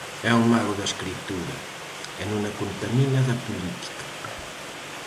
É un mago da escritura, e non a contamina da política.